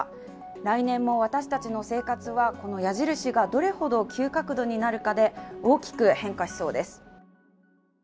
来年も私たちの生活は、この矢印がどれほど急角度になるかで大きく変化しそうです。